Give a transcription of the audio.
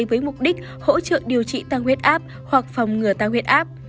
với mục đích hỗ trợ điều trị tăng huyết áp hoặc phòng ngừa tăng huyết áp